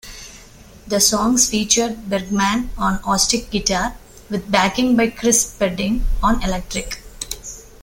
The songs featured Bergmann on acoustic guitar, with backing by Chris Spedding on electric.